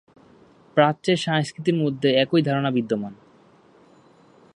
প্রাচ্যের সংস্কৃতির মধ্যে একই ধারণা বিদ্যমান।